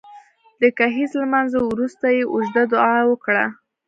د ګهیځ لمانځه وروسته يې اوږده دعا وکړه